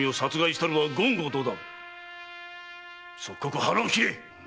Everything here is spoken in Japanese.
即刻腹を切れ！